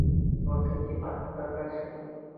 ওদের কি পাথর দরকার ছিল?